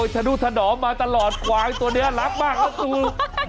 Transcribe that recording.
ทะดูทะด๋อมาตลอดควายตัวนี้อรักมากนะคุณ